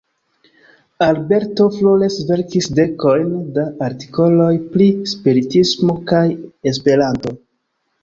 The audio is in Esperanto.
Alberto Flores verkis dekojn da artikoloj pri spiritismo kaj Esperanto.